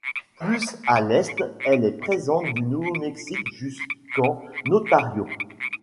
Plus à l'est, elle est présente du Nouveau-Mexique jusqu'en Ontario.